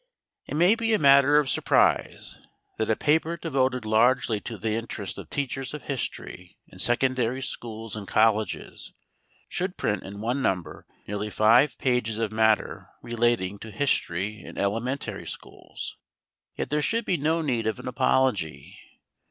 It may be a matter of surprise that a paper devoted largely to the interests of teachers of history in secondary schools and colleges should print in one number nearly five pages of matter relating to history in elementary schools. Yet there should be no need of an apology.